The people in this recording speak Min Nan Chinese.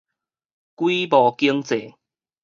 規模經濟